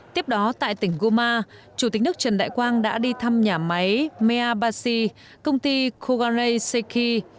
tiếp đó tại tỉnh guma chủ tịch nước trần đại quang đã đi thăm nhà máy meabashi công ty koganei seiki